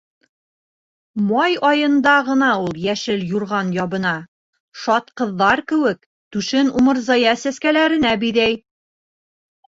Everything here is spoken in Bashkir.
Май айында ғына ул йәшел юрған ябына, шат ҡыҙҙар кеүек, түшен умырзая сәскәләренә биҙәй.